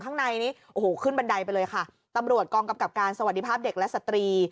ข้างในนี้โอ้โหขึ้นบันไดไปเลยค่ะตำรวจกองกำกับการสวัสดีภาพเด็กและสตรี